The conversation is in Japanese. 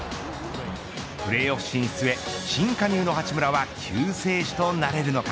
プレーオフ進出へ新加入の八村は救世主となれるのか。